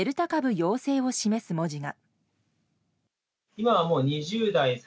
陽性を示す文字が。